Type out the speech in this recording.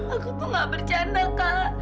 aku tuh gak bercanda kak